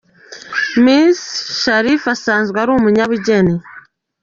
Misi Sharifa asanzwe asanzwe ari umunyabugeni.